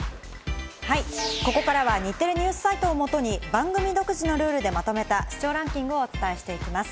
はい、ここからは日テレＮＥＷＳサイトをもとに番組独自のルールでまとめた視聴ランキングをお伝えしていきます。